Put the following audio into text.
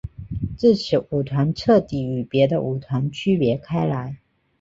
自此舞团彻底与别的舞团区别开来。